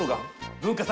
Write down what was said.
文化祭